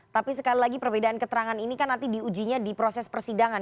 tapi sekali lagi perbedaan keterangan ini kan nanti diujinya di proses persidangan